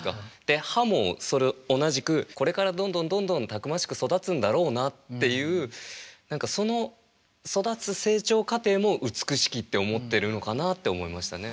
で歯も同じくこれからどんどんどんどんたくましく育つんだろうなっていう何かその育つ成長過程も美しきって思ってるのかなって思いましたね。